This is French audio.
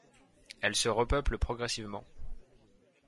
Elle se repeuple progressivement.